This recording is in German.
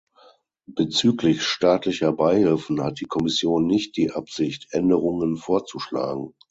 Bezüglich staatlicher Beihilfen hat die Kommission nicht die Absicht, Änderungen vorzuschlagen.